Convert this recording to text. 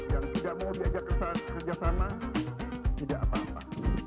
yang tidak mau diajak kerjasama tidak apa apa